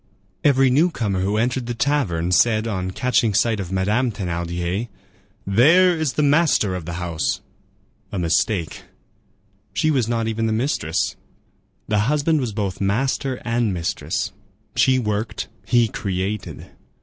Every newcomer who entered the tavern said, on catching sight of Madame Thénardier, "There is the master of the house." A mistake. She was not even the mistress. The husband was both master and mistress. She worked; he created.